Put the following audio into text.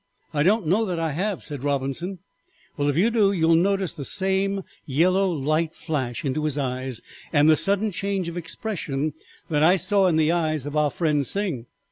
"I don't know that I have," said Robinson. "Well, if you do you will notice the same yellow light flash into his eyes, and the sudden change of expression that I saw in the eyes of our friend Sing.